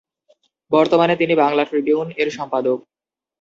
বর্তমানে তিনি বাংলা ট্রিবিউন-এর সম্পাদক।